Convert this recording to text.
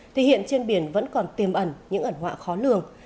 thì hiện trên biển vẫn còn tiềm ẩn những ẩn họa khó lường